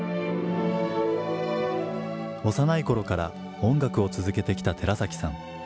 幼い頃から音楽を続けてきた寺崎さん。